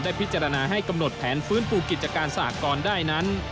พิจารณาให้กำหนดแผนฟื้นฟูกิจการสหกรได้นั้น